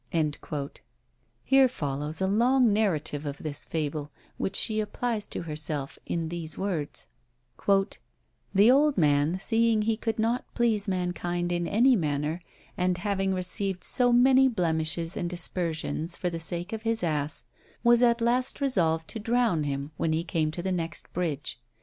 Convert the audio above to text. Here follows a long narrative of this fable, which she applies to herself in these words "The old man seeing he could not please mankind in any manner, and having received so many blemishes and aspersions for the sake of his ass, was at last resolved to drown him when he came to the next bridge.